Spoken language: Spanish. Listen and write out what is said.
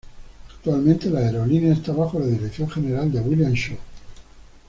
Actualmente la aerolínea esta bajo la dirección general de William Shaw.